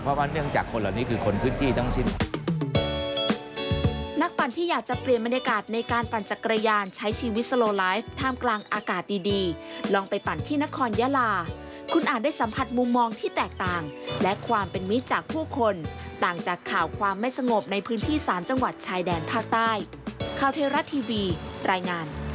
เพราะว่าเนื่องจากคนเหล่านี้คือคนพื้นที่ทั้งสิ้น